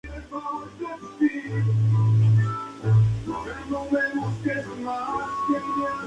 Una pintura de tomar hasta un mes para completar.